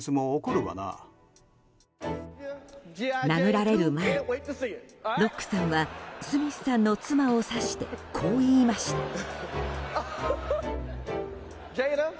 殴られる前、ロックさんはスミスさんの妻を指してこう言いました。